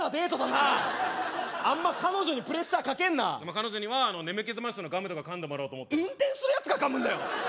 なあんま彼女にプレッシャーかけんな彼女には眠気覚ましのガムとか噛んでもらおうと思って運転するやつが噛むんだよ